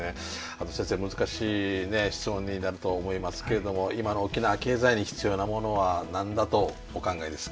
先生難しい質問になるとは思いますけれども今の沖縄経済に必要なものは何だとお考えですか？